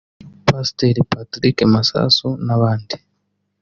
Pastor Patrick Masasu n'abandi